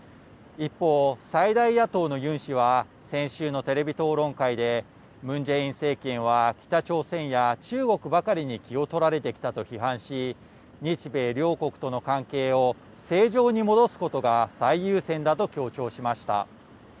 一方、最大野党のユン氏は、先週のテレビ討論会で、ムン・ジェイン政権は、北朝鮮や中国ばかりに気を取られてきたと批判し、日米両国との関係を正常に戻すことが最優先だと強調しました。